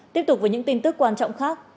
tiếp tục với những tin tức quan trọng khác